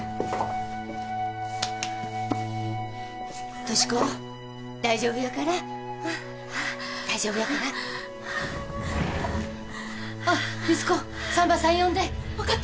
俊子大丈夫やから大丈夫やから光子産婆さん呼んで分かった・